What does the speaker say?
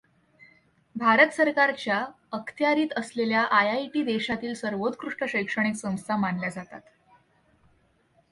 भारत सरकारच्या अखत्यारीत असलेल्या आय. आय. टी. देशातील सर्वोत्कृष्ट शैक्षणिक संस्था मानल्या जातात.